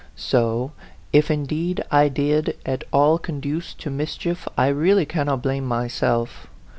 So, if indeed I did at all conduce to mis chief, I really cannot blame myself.